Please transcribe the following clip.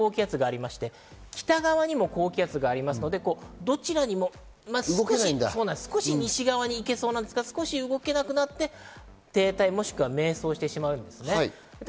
日本の南には太平洋高気圧がありまして、北側にも高気圧がありますので少し西側に行けそうなんですが、少し動けなくなって停滞、もしくは迷走してしまうんですね。